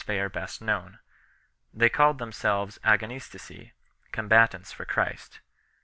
they are best known 1 . They called themselves Agonistici, combatants for Christ.